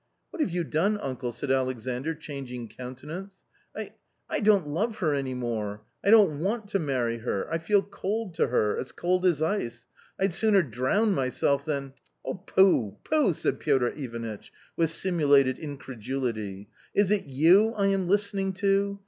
,," What have you done, uncle !" said Alexandr, changing countenance. " I — I don't love her any more ! I don't want to marry her ! I feel cold to her, as cold as ice ! I'd sooner drown myself than "" Pooh, pooh !" said Piotr Ivanitch, with simulated incre dulity ;" is it you I am listening to